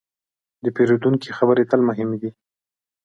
د پیرودونکي خبرې تل مهمې دي.